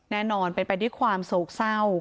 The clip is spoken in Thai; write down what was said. แน่นอนเป็นไปด้วยความโศกเศร้า